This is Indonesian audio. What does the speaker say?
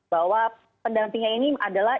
bahwa pendampingnya ini adalah